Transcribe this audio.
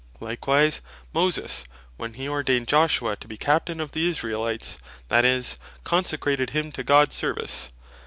Likewise Moses when he ordained Joshua to be Captain of the Israelites, that is, consecrated him to Gods service, (Numb.